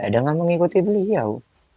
dengan mengikuti beliau